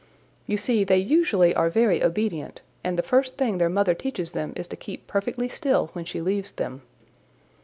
You see, they usually are very obedient, and the first thing their mother teaches them is to keep perfectly still when she leaves them.